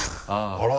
あら！